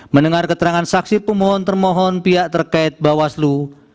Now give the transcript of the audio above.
mendengar keterangan saksi pemohon termohon pihak terkait bawaslu